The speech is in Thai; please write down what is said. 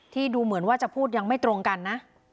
ที่ดูเหมือนจะพูดไม่ตรงกันนะ